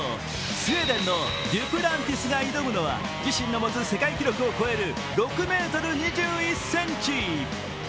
スウェーデンのデュプランティスが挑むのは自身の持つ世界記録を超える６ｍ２１ｃｍ。